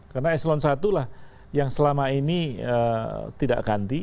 karena eselon i lah yang selama ini tidak ganti